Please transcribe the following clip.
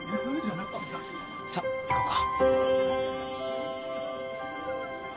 さあ行こうか。